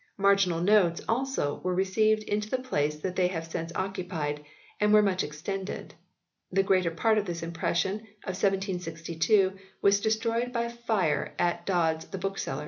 Marginal notes, also, were received into the place they have since occupied, and were much extended. The greater part of this impression of 1762 was destroyed by a fire at Dod s the bookseller.